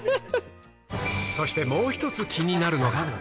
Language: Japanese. そしてもう一つ気になるのが。